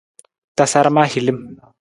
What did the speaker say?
Tasaram ahilim.